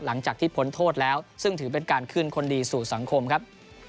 หลังจากที่พ้นโทษแล้วซึ่งถือเป็นการขึ้นคนดีสู่สังคมครับ